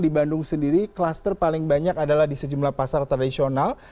di bandung sendiri klaster paling banyak adalah di sejumlah pasar tradisional